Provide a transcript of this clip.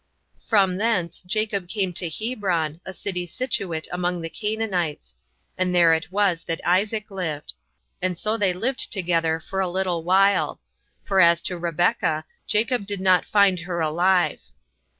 From thence Jacob came to Hebron, a city situate among the Canaanites; and there it was that Isaac lived: and so they lived together for a little while; for as to Rebeka, Jacob did not find her alive.